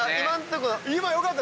今よかった！